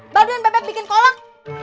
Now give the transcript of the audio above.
baduin bebek bikin kolok